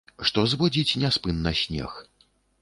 Што зводзіць няспынна снег.